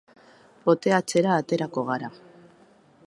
Poteatzera aterako gara.